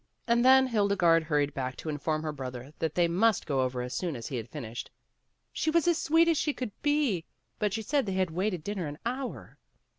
And then Hildegarde hurried back to inform her brother that they must go over as soon as he had finished. "She was as sweet as she could be, but she said they had waited dinner an hour.